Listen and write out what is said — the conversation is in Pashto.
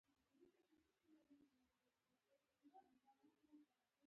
ملګری د مینې هیلې لري